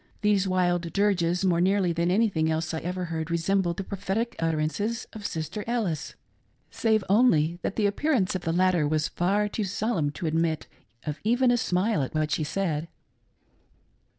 These wild dirges, more nearly than anything else I ever heard, resembled the pro phetic utterances of Sister Ellis ; save only, that the appear ance of the latter was far too solemn to admit of even a smile at what she said.